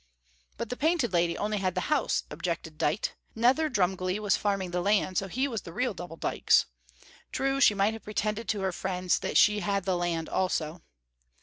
But the Painted Lady only had the house, objected Dite; Nether Drumgley was farming the land, and so he was the real Double Dykes. True, she might have pretended to her friends that she had the land also.